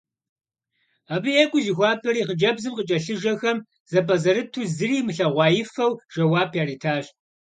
Абы екӀуу зихуапэри, хъыджэбзым къыкӀэлъыжэхэм зэпӀэзэрыту, зыри имылъэгъуаифэу жэуап яритащ.